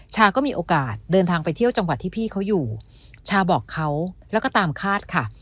ชาก็มีโอกาสเดินทางไปเที่ยวจังหวัดที่พี่เขาอยู่ชาบอกเขาแล้วก็ตามคาดค่ะ